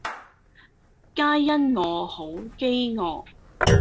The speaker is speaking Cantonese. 皆因我好飢餓